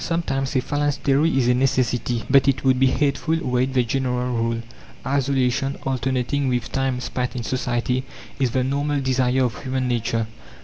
Sometimes a phalanstery is a necessity, but it would be hateful, were it the general rule. Isolation, alternating with time spent in society, is the normal desire of human nature.